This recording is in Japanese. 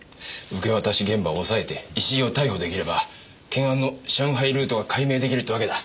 受け渡し現場を押さえて石井を逮捕出来れば懸案の上海ルートが解明出来るってわけだ。